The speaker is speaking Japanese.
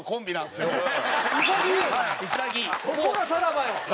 そこがさらばよ！